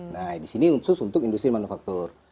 nah disini khusus untuk industri manufaktur